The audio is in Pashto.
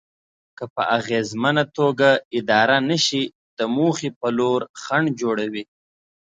که په اغېزمنه توګه اداره نشي د موخې په لور خنډ جوړوي.